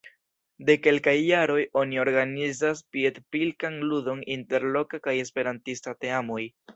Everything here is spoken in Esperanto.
De kelkaj jaroj, oni organizas piedpilkan ludon inter loka kaj esperantista teamoj.